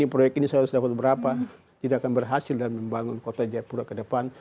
proyek ini harus dapat berapa tidak akan berhasil dalam membangun kota jawa pura ke depan